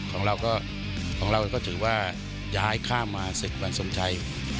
ของเราก็ถือว่าย้ายข้ามมาเสร็จบันทรมชัย